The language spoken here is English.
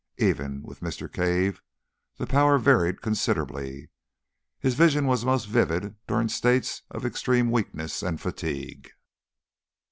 Even with Mr. Cave the power varied very considerably: his vision was most vivid during states of extreme weakness and fatigue.